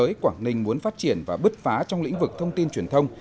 nếu tỉnh quảng ninh muốn phát triển và bứt phá trong lĩnh vực thông tin truyền thông